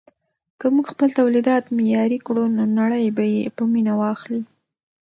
که موږ خپل تولیدات معیاري کړو نو نړۍ به یې په مینه واخلي.